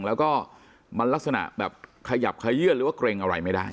แล้วก็มันลักษณะแบบขยับขยื่นหรือว่าเกรงอะไรไม่ได้